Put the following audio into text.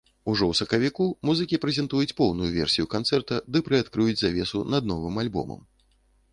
Ужо у сакавіку музыкі прэзентуюць поўную версію канцэрта ды прыадкрыюць завесу над новым альбомам.